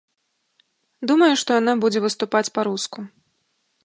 Думаю, што яна будзе выступаць па-руску.